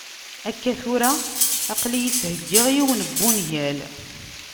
Akka tura, aql-iyi ttheggiɣ yiwen n wungal.